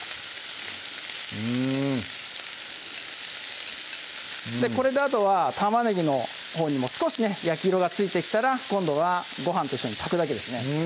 うんこれであとは玉ねぎのほうにも少しね焼き色がついてきたら今度はごはんと一緒に炊くだけですね